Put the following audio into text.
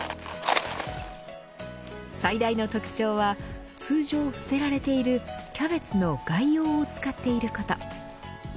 最大の特徴は通常捨てられているキャベツの外葉を使っていること。